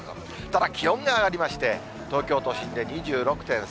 ただ、気温が上がりまして、東京都心で２６．３度。